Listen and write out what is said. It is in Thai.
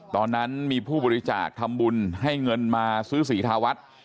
ตอนนั้นมีผู้บริจาคทำบุญให้เงินมาซื้อสีทาวัฒน์